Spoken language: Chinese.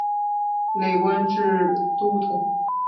累官至都统。